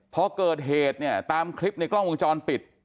พอเกิดเหตุเนี่ยตามคลิปในกล้องวงจรปิด